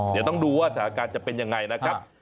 เดี๋ยวต้องดูว่าสถานการณ์จะเป็นยังไงนะครับ